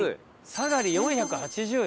サガリ４８０円。